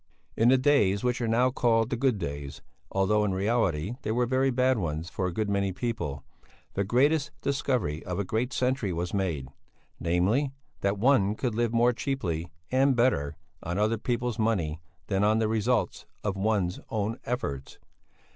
In the days which are now called the good days, although in reality they were very bad ones for a good many people, the greatest discovery of a great century was made, namely, that one could live more cheaply and better on other people's money than on the results of one's own efforts.